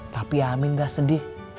tapi aami gak sedih